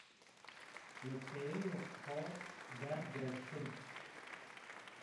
Mi keyeyê xo berd Dêrsim